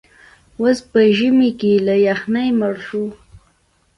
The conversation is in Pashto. اس په ژمي کې له یخنۍ مړ شو.